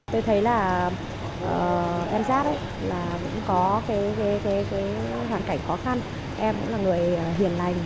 cho gia đình